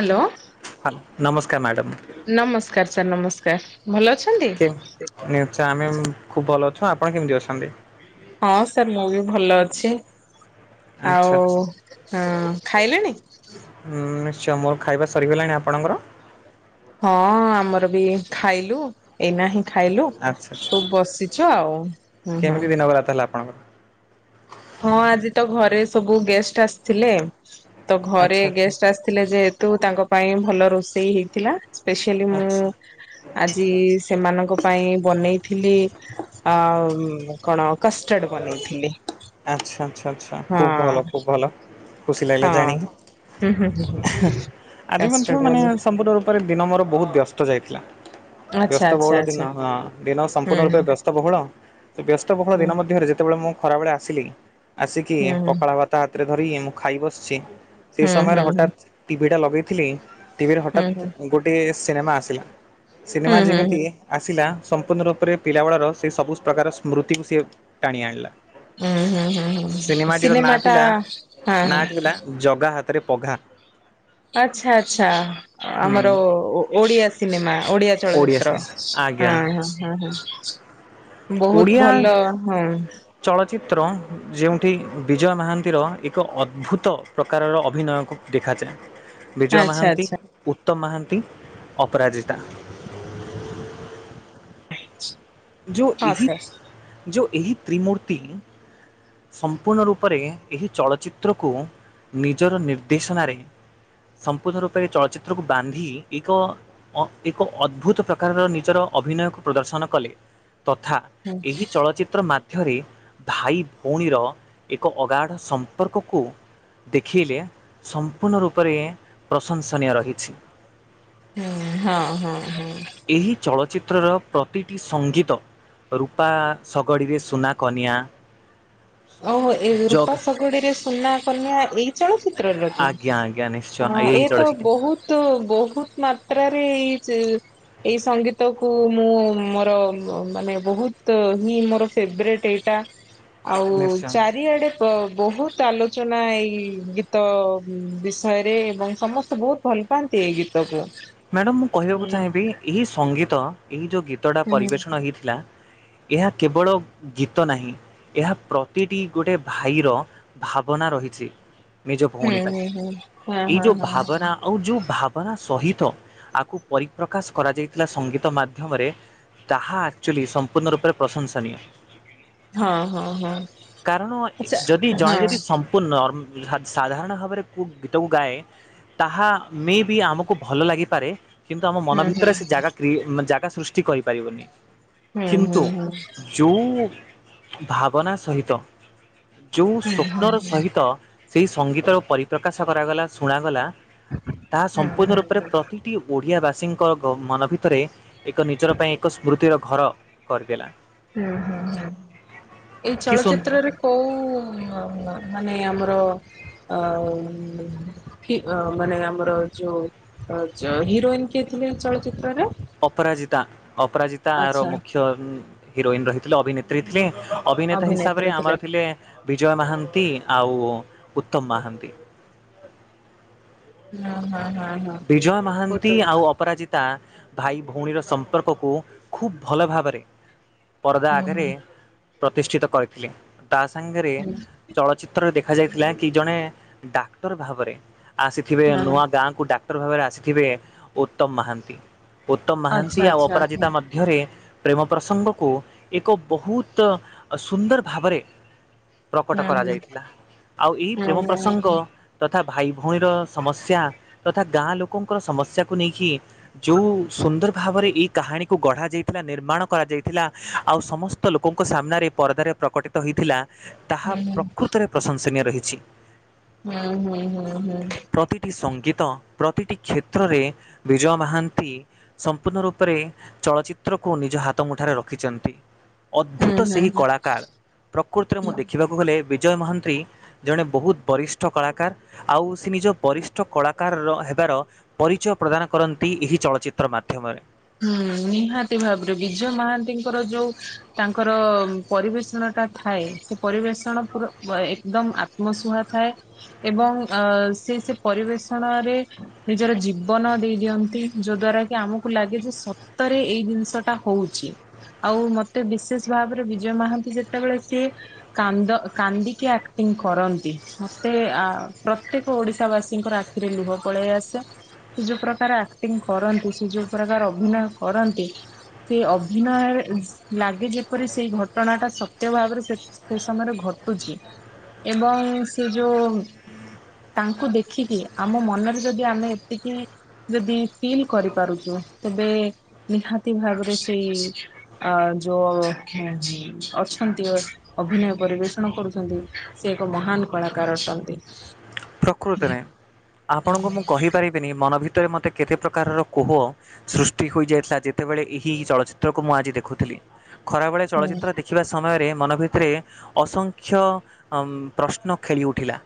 Hello. Hello ନମସ୍କାର madam. ନମସ୍କାର sir ନମସ୍କାର, ଭଲ ଅଛନ୍ତି? ନିଚ୍ଚ ଆମେ ଖୁବ୍ ଭଲ ଅଛୁ, ଆପଣ କେମିତି ଅଛନ୍ତି? ହଁ ସାର୍ ମୁଁ ବି ଭଲ ଅଛି। ଆଉ ଆଚ୍ଛା ହଁ ଖାଇଲେଣି? ହୁଁ ନିଶ୍ଚୟ ମୋର ଖାଇବା ସରିଗଲାଣି। ଆପଣଙ୍କର? ହଁ ଆମର ବି ଖାଇଲୁ ଏଇନା ହିଁ ଖାଇଲୁ ଆଚ୍ଛା ଆଚ୍ଛା ସବୁ ବସିଛୁ ଆଉ ହୁଁ- ହୁଁ। [unintelligible] ତାହେଲେ ଆପଣଙ୍କର। ହଁ ଆଜି ତ ଘରେ ସବୁ ଗେଷ୍ଟ ଆସିଥିଲେ। ତ ଘରେ ଆଚ୍ଛା ଆଚ୍ଛା ଗେଷ୍ଟ ଆସିଥିଲେ ଯେହେତୁ, ତାଙ୍କ ପାଇଁ ଭଲ ରୋଷେଇ ହେଇଥିଲା। ସ୍ପେସିଆଲି ମୁଁ ଆଚ୍ଛା ଆଜି ସେମାନଙ୍କ ପାଇଁ ବନେଇଥିଲି ଆଉ, କଣ କଷ୍ଟାର୍ଡ଼ ବନେଇଥିଲି। ଆଚ୍ଛା ଆଚ୍ଛା ଆଚ୍ଛା ହଁ ଖୁବ ଭଲ ଖୁବ ଭଲ। ଖୁସି ଲାଗିଲା ହଁ ଜାଣିକି, ହୁଁ ହୁଁ ହୁଁ ଆଜି ମଧ୍ୟ କାଷ୍ଟର୍ଡ ମାନେ ବାଲି ସମ୍ପୂର୍ଣ୍ଣ ରୂ ପରେ ଦିନ ମୋର ବହୁତ ବ୍ୟସ୍ତ ଯାଇଥିଲା। ଆଚ୍ଛା ବ୍ୟସ୍ତ ଆଚ୍ଛା ବହୁଳ ଦିନ ଆଚ୍ଛା ହଁ ଦିନ ସମ୍ପୂର୍ଣ ହୁଁ ରୂପେ ବ୍ୟସ୍ତ ବହୁଳ, ବ୍ୟସ୍ତ ବହୁଳ ହୁଁ ଦିନ ମଧ୍ୟ ରେ ଯେତେବେଳେ ମୁଁ ଖରାବେଳେ ଆସିଲି, ଆସିକି ହୁଁ ପଖାଳ ଭା ତା ହାତରେ ଧରିି ମୁଁ ଖାଇ ବସିଛି, ସେ ହୁଁ ହୁଁ ସମୟରେ ହଠାତ୍ ଟିଭି ଟା ଲଗେଇଥିଲି। ଟିଭିରେ ହୁଁ ହଠାତ୍ ହୁଁ। ଗୋଟିଏ ସିନେମା ଆସିଲା, ସିନେମା ହୁଁ ହୁଁ ଯେମିତି ହୁଁ ଆସିଲା, ସମ୍ପୂର୍ଣ୍ଣ ରୂପରେ ପିଲାବେଳର ସେ ସବୁ ପ୍ରକାର ସ୍ମୃତିକୁ ସିଏ ଟାଣି ଆଣିଲା। ହୁଁ ହୁଁ ହୁଁ ହୁଁ ହୁଁ ହୁଁ ସିନେମାଟିର ସିନେମା ନାଁ ଟା ଥିଲା, ହଁ ନାଁ ହଁ ଥିଲା ଜଗା ହାତରେ ପଘା। ଆଚ୍ଛା ଆଚ୍ଛା ହୁଁ ଆମର ଓଡିଆ ସି ସିନେମା ଓଡ଼ିଆ ଚଳଚିତ୍ର ସିନେମା ଆଜ୍ଞା ହଁ- ହଁ -ହଁ -ହଁ। ବହୁତ ଓଡ଼ିଆ ଭଲ ହଁ। ଚଳଚ୍ଚିତ୍ର, ଯେଉଁଠି ବିଜୟ ମହାନ୍ତିର ଏକ ଅଦ୍ଭୁତ ପ୍ରକାରର ଅଭିନୟକୁ ଦେଖାଯାଏ। ବିଜୟ ଆଚ୍ଛା ମହାନ୍ତି, ଆଚ୍ଛା। ଉତ୍ତମ ମହାନ୍ତି, ଅପରାଜିତା। ଯୋଉ ହଁ ଏହି ସାର୍। ଯୋଉ ଏହି ତ୍ରିମୂର୍ତ୍ତି ସମ୍ପୂର୍ଣ୍ଣ ରୂପରେ ଏହି ଚଳଚିତ୍ରକୁ ନିଜର ନିର୍ଦ୍ଦେଶନାରେ ସମ୍ପୂର୍ଣ୍ଣ ରୂପରେ ଚଳଚ୍ଚିତ୍ରକୁ ବାନ୍ଧି ଏକ ଏକ ଅଦ୍ଭୁତ ପ୍ରକାରର ନିଜର ଅଭିନୟକୁ ପ୍ରଦର୍ଶନ କଲେ, ତଥା ଏହି ଚଳଚିତ୍ର ମାଧ୍ୟରେ, ଭାଇ ଭଉଣୀର ଏକ ଅଗାଢ଼ ସମ୍ପର୍କକୁ ଦେଖିଲେ ସମ୍ପୂର୍ଣ୍ଣ ରୂପରେ ପ୍ରଶଂସନୀୟ ରହିଛି। ହୁଁ - ହଁ -ହଁ- ହଁ। ଏହି ଚଳଚ୍ଚିତ୍ରର ପ୍ରତିଟି ସଙ୍ଗୀତ ରୂପା ଶଗଡ଼ିରେ ସୁନା କନିଆ। ଓହୋ ଏ ଜଗ୍ ରୂପା ଶଗଡିରେ ସୁନା କନ୍ୟା ଏଇ ଚଳଚିତ୍ର ର କି? ଆଜ୍ଞା ଆଜ୍ଞା ନିଶ୍ଚୟ ଅ ଏହି ଏ ତ ଚଳଚ୍ଚିତ୍ର ବହୁତ ବହୁତ ମାତ୍ରାରେ ଇତି ଏଇ ସଙ୍ଗୀତକୁ ମୁଁ ମୋର ମାନେ ବହୁତ ହିଁ ମୋର ଫେବରେଟ୍ ଏଇଟା। ଆଉ ନିଶ୍ଚୟ। ଚାରିଆଡ଼େ ପ୍ର ହୁତ ଆଲୋଚନା ଏଇ ଗୀତ ବିଷୟରେ ଏବଂ ସମସ୍ତେ ବହୁତ ଭଲ ପାଆନ୍ତି ଏଇ ଗୀତକୁ। ମ୍ୟାଡ଼ାମ ମୁଁ ହୁଁ କହିବାକୁ ଚାହିଁବି ଏଇ ସଙ୍ଗୀତ ଏଇ ଯୋଉ ଗୀତଟା ହୁଁ। ପରିବେଷଣ ହେଇଥିଲା ଏହା କେବଳ ଗୀତ ନାହିଁ। ଏହା ପ୍ରତିଟି ଗୋଟେ ଭାଇର ଭାବନା ରହିଛି। ନିଜ ହୁଁ ଭଉଣୀ ପାଇଁ ହୁଁ ହୁଁ ହଁ ଏଇ ହଁ ଯୋଉ ଭାବନା ଆଉ ଯୋଉ ଭାବନା ସହିତ ଆକୁ ପରିପ୍ରକାଶ କରାଯାଇଥିଲା ସଙ୍ଗୀତ ମାଧ୍ୟମରେ। ତାହା ଆକ୍ଚୁଆଲି ସମ୍ପୂର୍ଣ୍ଣ ରୂପେ ପ୍ରଶଂସନୀୟ। ହଁ ହଁ କାରଣ ଯଦି ହଁ ହଁ। ଜଣିଲେ ସମ ମ୍ପୁର୍ଣ ଉଁ ସା ସାଧାରଣ ଭାବରେ କୋଉ ଗୀତକୁ ଗାଏ ତାହା ମେ ବି ଆମକୁ ଭଲ ଲାଗି ପାରେ କିନ୍ତୁ ଆମ ମନ ହଁ ହୁଁ ଭିତରେ ସେ ଜାଗା କ୍ରିଏ ଜାଗା ସୃଷ୍ଟି କରିପାରିବନି। ହୁଁ ହୁଁ କିନ୍ତୁ ହୁଁ ଯୋଉ ଭାବନା ସହିତ ଯୋଉ ସ୍ୱପ୍ନର ସହିତ ସେଇ ସଙ୍ଗୀତର ପରିପ୍ରକାଶ କରାଗଲା ଶୁଣାଗଲା ତାହା ହୁଁ ହୁଁ ସମ୍ପୂର୍ଣ୍ଣ ରୂପରେ ହୁଁ ପ୍ରତି ଏଇ ଓଡିଆ ବାସୀଙ୍କ ଗ ମନ ଭିତରେ ଏକ ନିଜର ପାଇଁ ଏକ ସ୍ମୃତିର ଘର କରିଦେଲା। ହୁଁ ହୁଁ ହୁଁ ଏଇ କି ସୁନ ଚଳଚିତ୍ରରେ [inaudible] ଅ ନା ମାନେ ଆମର ଆ ଆ ଫି ଅ ମାନେ ଆମର ଯୋଉ ଅ ଚ ହିରୋଇନ କିଏ ଥିଲେ ଚଳଚିତ୍ରର? ଅପରାଜିତା ଅପରାଜିତା ଆର ମୁଖ୍ୟ ଉଁ ହିରୋଇନ ରହିଥିଲେ ଅଭିନେତ୍ରୀ ଥିଲେ ଅଭିନେତା ହିସାବରେ ଆମର ଥିଲେ ବିଜୟ ମହାନ୍ତି ଆଉ ଉତ୍ତମ ମହାନ୍ତି। ହଁ ହଁ ହଁ ହଁ। ବିଜୟ ବହୁତ ମହାନ୍ତି ଆଉ ଅପରାଜିିତ ତା ଭାଇ ଭଉଣୀର ସମ୍ପର୍କକୁ ଖୁବ ଭଲ ଭାବରେ ପରଦା ହୁଁ ଆଗରେ ପ୍ରତିଷ୍ଠିତ କରିଥିଲେ ତା ସାଙ୍ଗରେ ହୁଁ ଚଳଚ ଚିତ୍ର ଦେଖା ଯାଇଥିଲା କି ଜଣେ ଡାକ୍ତର ଭାବରେ ଆସିଥିବେ ହଁ ନୂଆ ଗାଁକୁ ଡାକ କ୍ଟର ଭାବରେ ଆସିଥିବେ ଉତ୍ତମ ମହାନ୍ତି ଉତ୍ତମ ମହାନ୍ତି ଆଚ୍ଛା ଆଉ ଆଚ୍ଛା ହଁ। ଅପରାଜିତା ମଧ୍ୟ ଧ୍ୟରେ ପ୍ରେମ ପ୍ରସଙ୍ଗକୁ ଏକ ବହୁତ ସୁନ୍ଦର ଭାବରେ [inaudible] ପ୍ରକଟ ହୁଁ କରାଯାଇଥିଲା ଆଉ ଏଇ ହୁଁ ପ୍ରେମ ପ୍ରସଙ୍ଗ ତଥା ଭାଇ ଭଉଣୀର ସମସ୍ୟା ତଥା ଗାଁ ଲୋକଙ୍କର ସମସ୍ୟାକୁ ନେଇକି ଯୋଉ ସୁନ୍ଦର ଭାବରେ ଏଇ କାହାଣୀକୁ ଗଢା ଯାଇଥିଲା ନିର୍ମାଣ କରାଯାଇଥିଲା ଆଉ ସମସ୍ତ ତ ଲୋକଙ୍କ ସାମ୍ନାରେ ପରଦାରେ ପ୍ରକଟିତ ହୋଇଥିଲା ତାହା ହୁଁ ହୁଁ ହୁଁ ପ୍ରକୃତରେ ପ୍ରଶଂସନୀୟ ରହିଛି। ହୁଁ ହୁଁ ହୁଁ ହୁଁ। ପ୍ରତିଟି ସଙ୍ଗୀତ ପ୍ରତିଟି କ୍ଷେତ୍ରରେ ବିଜୟ ମହାନ୍ତି ସମ୍ପୂର୍ଣ୍ଣ ରୂପରେ ଚଳଚିତ୍ରକୁ ନିଜ ହାତ ମୁଠାରେ ରଖିଛନ୍ତି। ଅଦ୍ଭୁତ ହୁଁ ସେହି ହୁଁ କଳାକାର ପ୍ରକୃତରେ ମୁଁ ହୁଁ। ଦେଖିବାକୁ ଗଲେ ବିଜୟ ମହାନ୍ତି ଜଣେ ବହୁତ ବରିଷ୍ଠ କଳାକାର ଆଉ ସେ ନିଜ ବରିଷ୍ଠ କଳା କାର ହେବାର ପରିଚୟ ପ୍ରଦାନ କରନ୍ତି ଏହି ଚଳଚିତ୍ର ମାଧ୍ୟମରେ। ହୁଁ ନିହାତି ଭାବରେ ବିଜୟ ମହାନ୍ତିଙ୍କର ଯୋଉ ତାଙ୍କର ପରିବେଷଣ ଟା ଥାଏ ସେ ପରିବେଷଣ ପୁରା ଅ ଏକଦମ ଆତ୍ମ ତ୍ମସୁହା ଥାଏ ଏବଂ ଅ ସେ ସେ ପରିବେଷଣରେ ନିଜର ଜୀବନ ଦେଇ ଦିଅନ୍ତି ଯୋଉ ଦ୍ଵାରା କି ଆମକୁ ଲାଗେ ଯେ ସତରେ ଏଇ ଜିନିଷ ଟା ହୋଉଚି। ଆଉ ମତେ ବିଶେଷ ଭାବରେ ବିଜୟ ମହାନ୍ତି ଯେତେବେଳେ ସିଏ କାନ୍ଦ କାନ୍ଦିକି ଆକ୍ଟିଂ କରନ୍ତି ମତେ ଆ ପ୍ରତ୍ୟେକ ଓଡ଼ିଶାବାସୀଙ୍କର ଆଖ ଖିରେ ଲୁହ ପଳେଇ ଆସେ ସେ ଯୋଉ ପ୍ରକାର ଆକ୍ଟିଂ କରନ୍ତି ସେ ଯୋଉ ପ୍ରକାର ଅ ଭିନୟ କରନ୍ତି ସେଇ ଅଭିନୟରେ ଉ ଲାଗେ ଯେପରି ସେଇ ଘଟଣା ଟା ସତ୍ୟ ଭାବରେ ସେ ସେ ସମୟରେ ଘଟୁଛି ଏବଂ ସେ ଯୋଉ ତାଙ୍କୁ ଦେଖିକି ଆମ ମନରେ ଯଦି ଆମେ ଏତିକି ଯଦି ଫିଲ୍ କରିପାରୁଚୁ ତେବେ ନିହାତି ଭାବରେ ସେଇ ଅ ଯୋଉ ଅଛନ୍ତି ଅ ଅଭିନୟ ପରିବେଷଣ କରୁଛନ୍ତି ସେ ଏକ ମହାନ କଳାକାର ଅଟନ୍ତି। ପ୍ରକୃତିରେ ଆପଣଙ୍କୁ ମୁଁ କହିପାରିବିନି ମନ ଭିତରେ ମୋତେ କେତେ ପ୍ରକାରର କୋହ ସୃଷ୍ଟି ହୋଇଯାଇଥିଲା ଯେତେବେଳେ ଏହି ଚଳଚିତ୍ରକୁ ମୁଁ ଆଜି ଦେଖୁଥିଲି ଖରାବେଳେ ଚଳଚ୍ଚିତ୍ର ଦେଖି ଖିବା ସମୟରେ ମନ ଭିତରେ ଅସଂଖ୍ୟ ଅ ପ୍ରଶ୍ନ ଖେଳି ଉଠିଲା।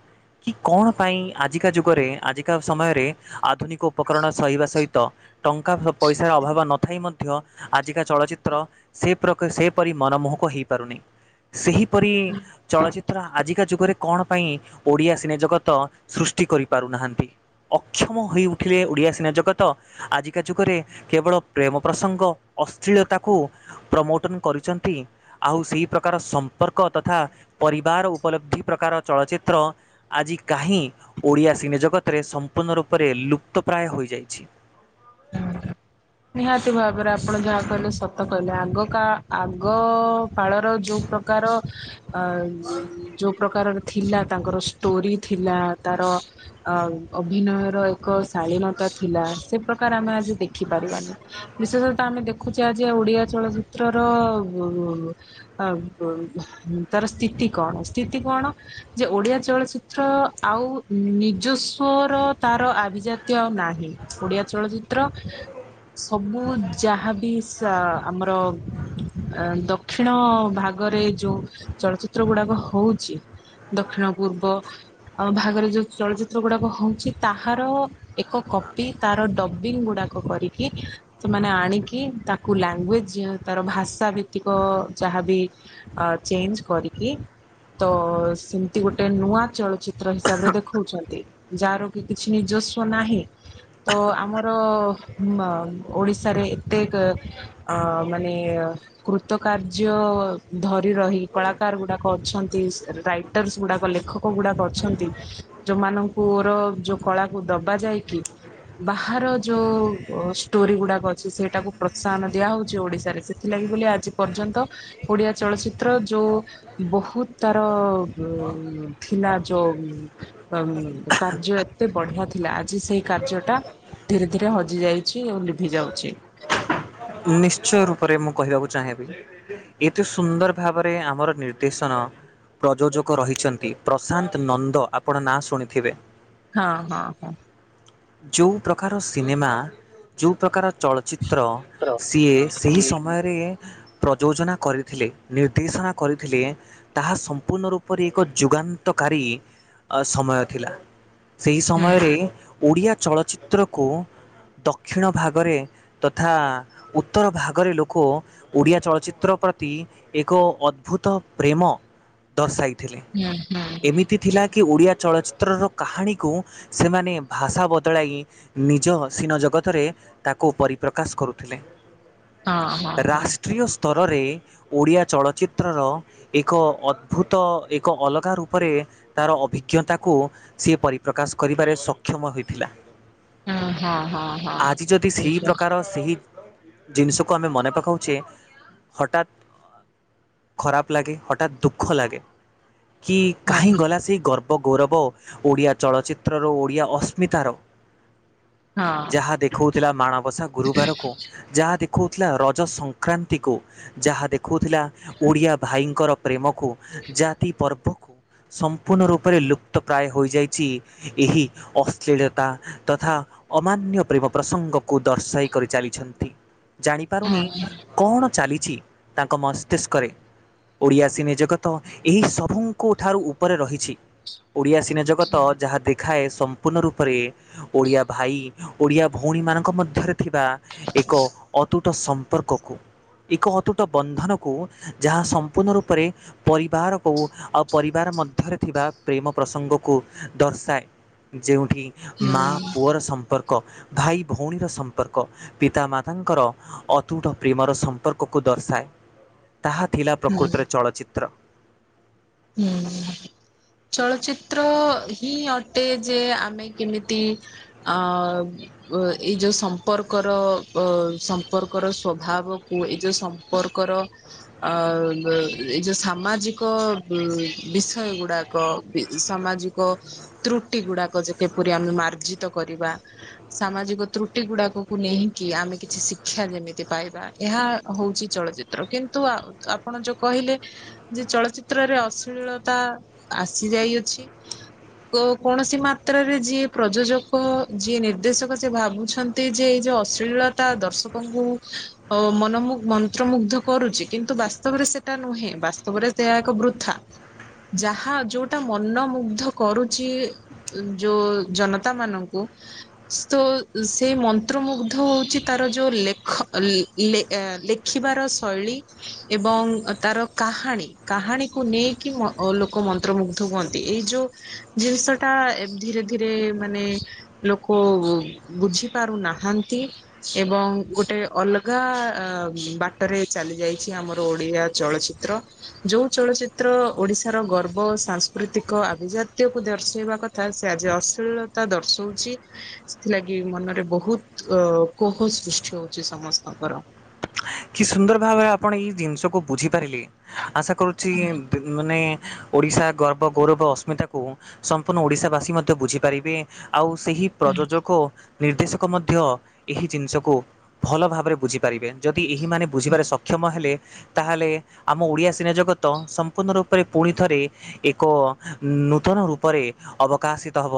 କି କଣ ପାଇଁ ଆଜିକା ଯୁଗରେ ଆଜିକା ସମୟରେ ଆଧୁନିକ ଉପକରଣ ସହିବା ସହିତ ଟଙ୍କା ଫ ପଇସାର ଅଭାବ ନଥାଇ ମ ଧ୍ୟ ଆଜିକା ଚଳଚିତ୍ର ସେ ପ୍ରକ ସେପରି ମନମୋହକ ହେଇପାରୁନି ସେହି ପରି ଚଳଚ୍ଚିତ୍ର ଆଜିକା ଯୁଗରେ କଣ ପାଇଁ ଓଡ଼ିଆ ସିନେଜଗତ ତ ସୃଷ୍ଟି କରିପାରୁନାହାନ୍ତି। ଅକ୍ଷମ ହୋଇ ଉଠିଲେ ଓଡ଼ିଆ ସିନେ ଜଗତ ଆଜିକା ଯୁଗରେ କେବଳ ପ୍ରେମ ପ୍ରସଙ୍ଗ ଅସ୍ଲିଳତାକୁ ପ୍ରମୋଟନ କରିଚନ୍ତି। ଆଉ ସେଇ ପ୍ରକାର ସମ୍ପର୍କ ତଥା ପରିବାର ଉପଲବ୍ଧି ପ୍ରକାର ଚଳଚିତ୍ର ଆଜି କାହିଁ ଓଡ଼ିଆ ସିନେଜଗତରେ ସମ୍ପୂର୍ଣ୍ଣ ରୂପରେ ଲୁପ୍ତପ୍ରାୟ ହୋଇଯାଇଛି? ନିହାତି ଭାବରେ ଆପଣ ଯାହା କହିଲେ ସତ କହିଲେ ଆଗ ଆଗ କାଳର ଯୋଉ ପ୍ର କାର ଅ ଇଇ ଯୋଉ ପ୍ରକାରର ଥିଲା ତାଙ୍କର ଷ୍ଟୋରି ଥିଲା ତାର ଅ ଅଭିନୟର ଏକ ଶାଳୀନତା ଥିଲା ସେ ପ୍ରକାର ଆମେ ଆଜି ଦେଖି ପାରିବାନି ବିଶେଷତଃ ଆମେ ଦେଖୁଛେ ଆଜି ଓଡିଆ ଚଳଚିତ୍ରର ବୋବୋବୋ ଅ ବୋ ବୋ ତାର ସ୍ଥିତି କଣ ସ୍ଥିତି କଣ? ଯେ ଓଡିଆ ଚଳଚିତ୍ର ଆଉ ନିଜସ୍ଵର ତାର ଆଭିଜା ତ୍ୟ ନାହିଁ ଓଡିଆ ଚଳଚିତ୍ର ସବୁ ଯାହାବି ସ ଆମର ଅ ଦକ୍ଷିଣ ଭାଗରେ ଯୋଉ ଚଳଚିତ୍ର ଗୁଡାକ ହଉଚି ଦକ୍ଷିଣ ପୂର୍ବ ଆଉ ଭାଗରେ ଯୋଉ ଚଳଚିତ୍ର ଗୁଡାକ ହଉଛି ତାହାର ଏକ କପି ତାର ଡବିଂ ଗୁଡାକ କରିକି ସେମାନେ ଆଣିକି ତାକୁ ଲାଙ୍ଗୁଏଜ ତାର ଭାଷା ଭିତ୍ତିକ ଯାହାବି ଅ ଚେଞ୍ଜ କରିକି ତ ସେମିତି ଗୋଟେ ନୂଆ ଚଳଚିତ୍ର ହିସାବରେ ଦେଖଉଛନ୍ତି। ଯାହାର କି କିଛି ନିଜସ୍ୱ ନାହିଁ ତ ଆମର ଓଡ଼ିଶାରେ ଏତେ ଆ -ମାନେ କୃତ କାର୍ଯ୍ୟ ଧରି ରହି କଳାକାର ଗୁଡାକ ଅଛନ୍ତି ସେ ଦାୟୀ ଗୁଡ଼ାକ ଲେଖକ ଗୁଡ଼ାକ ଅଛନ୍ତି ଯୋଉମାନଙ୍କୁର ଯୋଉ କଳାକୁ ଦବା ଯାଇକି ବାହାର ଯୋଉ ଷ୍ଟୋରି ଗୁଡାକ ଅଛି ସେଇଟାକୁ ପ୍ରୋତ୍ସାହନ ଦିଆହଉଛି ଓଡିଶାରେ ସେଥିଲାଗି ବୋଲି ଆଜି ପର୍ଯ୍ୟନ୍ତ ଓଡିଆ ଚଳଚିତ୍ର ଯୋଉ ବହୁତ ତାର ଥିଲା ଯୋଉ ତ ଉ -କାର୍ଯ୍ୟ ଏତେ ବଢିଆ ଥିଲା ଆଜି ସେଇ କାର୍ଯ୍ୟ ଟା ଧୀରେ ଧୀରେ ହଜି ଯାଇ ଛି ଆଉ ଲିଭି ଯାଉଛି ନିଶ୍ଚୟ ରୂପରେ ମୁଁ କହିବାକୁ ଚାହିଁବି ଏତେ ସୁନ୍ଦର ଭାବରେ ଆମର ନିର୍ଦ୍ଦେଶନ ପ୍ରଯୋଜକ ରହିଛନ୍ତି ପ୍ରଶାନ୍ତ ନନ୍ଦ ଆପଣ ନାଁ ଶୁଣିଥିବେ! ହଁ, ହଁ, ହ ଯୋଉ ପ୍ରକାର ସିନେମା ଯୋଉ ପ୍ରକାର ଚଳଚ୍ଚିତ୍ର ହୁଁ ସିଏ ସେହି ସମୟରେ ପ୍ରଯୋଜନା କରିଥିଲେ ନିର୍ଦ୍ଦେଶନା କରିଥିଲେ। ତାହା ସମ୍ପୂର୍ଣ୍ଣ ରୂପରେ ଏକ ଯୁଗାନ୍ତକାରୀ ଆ ସମୟ ଥିଲା। ସେହି ସମୟରେ ଓଡ଼ିଆ ଚଳଚ୍ଚିତ୍ରକୁ ଦକ୍ଷିଣ ଭାଗରେ ତଥା ଉତ୍ତର ଭାଗରେ ଲୋକ ଓଡ଼ିଆ ଚଳଚ୍ଚିତ୍ର ପ୍ରତି ଏକ ଅଦ୍ଭୁତ ପ୍ରେମ ଦର୍ଶାଇଥିଲେ ହୁଁ ହଁ ଏମିତି ତିି ଥିଲା କି ଓଡ଼ିଆ ଚଳଚ୍ଚିତ୍ରର କାହାଣୀକୁ ସେମାନେ ଭାଷା ବଦଳାଇ ନିଜ ଅସିିନ ଜଗତରେ ତାକୁ ପରିପ୍ରକାଶ କରୁ ହଁ ହଁ ରାଷ୍ଟ୍ରୀୟ ସ୍ତରରେ ଓଡ଼ିଆ ଚଳଚ୍ଚିତ୍ରର ଏକ ଅଦ୍ଭୁତ ଏକ ଅଲଗା ରୂପରେ ତାର ଅଭିଜ୍ଞତାକୁ ସିଏ ପରିପ୍ରକାଶ କରିବାରେ ସକ୍ଷମ ହୋଇଥିଲା। ହଁ ହଁ ହଁ ହଁ। ଆଜି ଯଦି ସେଇ ପ୍ରକାର ସେଇ ଜିନିଷକୁ ଆମେ ମନେ ପକାଉଛେ ହଠାତ୍ ଖରାପ ଲାଗେ ହଠାତ୍ ଦୁଃଖ ଲାଗେ କି ହଁ ହଁ କାହିଁ ଗଲା ସେଇ ଗର୍ବ ବ ଗୌରବ ଓଡିଆ ଚଳଚିତ୍ରର ଓଡିଆ ଅସ୍ମିତାର ଯାହା ଦେଖଉଥିଲା ମାଣବସା ଗୁରୁବାରକୁ ଯାହା ଦେଖାଉଥିଲା ରଜ ସଂକ୍ରାନ୍ତିକୁ ଯାହା ଦେଖଉଥିଲା ଓଡ଼ିଆ ଭାଇଙ୍କର ପ୍ରେମକୁ ଜାତି ପର୍ବ ସମ୍ପୂର୍ଣ୍ଣ ରୂପରେ ଲୁପ୍ତ ପ୍ରାୟ ହୋଇଯାଇଛି ଏହି ଅଶ୍ଳୀଳତା ତଥା ଅମାନ୍ୟ ପ୍ରେମ ପ୍ରସଙ୍ଗକୁ ଦର୍ଶାଇ କରି ଚାଲିଛନ୍ତି। ହଁ ଜାଣିପାରୁନି ହଁ କଣ ଚାଲିଛି ତାଙ୍କ ମସ୍ତିଷ୍କରେ ଓଡ଼ିଆ ସିନେ ଜଗତ ଏହି ସବୁଙ୍କ ଠାରୁ ଉପରେ ରହିଛି ଓଡିଆ ସିନେ ଜଗତ ଯାହା ଦେଖ ଖାଏ ସମ୍ପୂର୍ଣ୍ଣ ରୂପରେ ଓଡ଼ିଆ ଭାଇ ଓଡ଼ିଆ ଭଉଣୀମାନଙ୍କ ମଧ୍ୟରେ ଥିବା ଏକ ଅତୁଟ ସମ୍ପର୍କକୁ ଏକ ଅତୁଟ ବନ୍ଧନକୁ ଯାହା ସମ୍ପୂର୍ଣ୍ଣ ରୂପରେ ପରିବାର କ ଆଉ ପରିବାର ମଧ୍ୟରେ ଥିବା ପ୍ରେମ ପ୍ରସଙ୍ଗକୁ ଦର୍ଶାଏ। ଯେଉଁଠି ହୁଁ ମା ପୁଅର ସମ୍ପର୍କ ଭାଇ ଭଉଣୀର ସମ୍ପର୍କ ପିତାମାତାଙ୍କର ଅତୁଟ ପ୍ରେମର ସମ୍ପର୍କକୁ ଦର୍ଶାଏ। ତାହା ଥିଲା ହୁଁ ପ୍ରକୃତରେ ଚଳଚ୍ଚିତ୍ର। ହୁଁ। ଚଳଚ୍ଚିତ୍ର ହିଁ ଅଟେ ଯେ ଆମେ କେମିତି ଅ ଅ ଏଇ ଯୋଉ ସମ୍ପର୍କର ଅ ସମ୍ପର୍କର ସ୍ଵଭାବକୁ ଏଇ ଯୋଉ ସମ୍ପ ମ୍ପର୍କର ଅ ଅ ଏଇ ଯୋଉ ସାମାଜିକ ଉଁ ବିଷୟ ଗୁଡାକ ବି ସାମାଜିକ ତ୍ରୁଟି ଗୁଡାକ ଯେ କିପରି ଆମେ ମାର୍ଜିତ କରିବା? ସାମାଜିକ ତ୍ରୁଟି ଗୁଡାକକୁ ନେଇକି ଆମେ କିଛି ଶିକ୍ଷା ଯେମିତି ପାଇବା ଏହା ହଉଛି ଚଳଚ୍ଚି ତ୍ର କିନ୍ତୁ ଆ ଆପଣ ଯୋଉ କହିଲେ ଯେ ଚଳଚ୍ଚି ତ୍ରରେ ଅଶ୍ଳିଳତା ଆସି ଯାଇଅଛି କୋ କୌଣସି ମାତ୍ରରେ ଯିଏ ପ୍ରଯୋଜକ ଯିଏ ନିର୍ଦ୍ଦେଶକ ସିଏ ଭାବୁଛନ୍ ନ୍ତି ଯେ ଏଇ ଯୋଉ ଅଶ୍ଳୀଳତା ଦର୍ଶକଙ୍କୁ ଅ ମନ ମନ୍ତ୍ରମୁଗ୍ଧ କରୁଛି କିନ୍ତୁ ବାସ୍ତବରେ ସେଟା ନୁହେଁ ବାସ୍ତବରେ ସେଆ ଏକ ବୃଥା ଯାହା ଯୋଉଟା ମନମୁଗ୍ଧ କରୁଛି ଯୋଉ ଜନତା ମାନଙ୍କୁ ସୋ ସେଇ ମନ୍ତ୍ରମୁଗ୍ଧ ହଉଛି ତାର ଯୋଉ ଲେଖ ଲେ ଅ ଲେ ଖିବାର ଶୈଳୀ ଏବଂ ତାର କାହାଣୀ କାହାଣୀକୁ ନେଇକି ମ ଲୋକ ମନ୍ତ୍ରମୁଗ୍ଧ ହୁଅନ୍ତି ଏଇ ଯୋଉ ଜିନିଷ ତା ଧୀରେ ଧୀରେ ମାନେ ଲୋକ ବୁଝି ପାରୁନାହାନ୍ତି ଏବଂ ଗୋଟେ ଅଲଗା ଅ ବାଟରେ ଚାଲି ଯାଇଛି ଆମର ଓଡିଆ ଚଳଚ୍ଚି ଚ୍ଚିତ୍ର ଯୋଉ ଚଳଚ୍ଚିତ୍ର ଓଡିଶାର ଗର୍ବ ସାଂସ୍କୃତିକ ଆଭିଜାତ୍ୟକୁ ଦର୍ଶେଇବା କ ଥା ସେ ଆଜି ଅଶ୍ଳୀଳତା ଦର୍ଶଉଛି ସେଥିଲାଗି ମନରେ ବହୁତ ଅ କୋହ ସୃଷ୍ଟି ହଉଛି ସମସ୍ତଙ୍କର। କି ସୁନ୍ଦର ଭାବରେ ଆପଣ ଏଇ ଜିନିଷକୁ ବୁଝିପାରିଲେ ଆଶା କରୁଛି ମାନେ ଓଡ଼ିଶା ଗର୍ବ ଗୌରବ ଅସ୍ମିତାକୁ ସମ୍ପୂର୍ଣ୍ଣ ଓଡିଶାବାସୀ ମଧ୍ୟ ବୁଝିପାରିବେ ଆଉ ସେହି ପ୍ରଯୋଜକ, ନିର୍ଦ୍ଦେଶକ ମଧ୍ୟ ଏହି ଜିନିଷକୁ ଭଲ ଭାବରେ ବୁଝିପାରିବେ ଯଦ ଦି ଏହି ମାନେ ବୁଝିବାରେ ସକ୍ଷମ ହେଲେ ତାହେଲେ ଆମ ଓଡ଼ିଆ ସିନେ ଜଗତ ସମ୍ପୂର୍ଣ୍ଣ ରୂପରେ ପୁଣିଥରେ ଏକ ନୂତନ ରୂପରେ ଅବକାଶିତ ହବ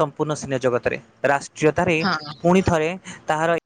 ସମ୍ପୂର୍ଣ୍ଣ ସିନେ ଜଗତରେ ରାଷ୍ଟ୍ରୀୟତାରେ ହଁ ପୁଣି ଥରେ ତାହାର